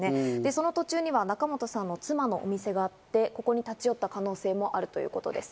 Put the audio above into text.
その途中には仲本さんの妻のお店があって、ここに立ち寄った可能性もあるということです。